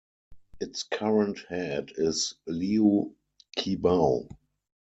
Its current head is Liu Qibao.